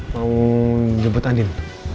mau jemput andin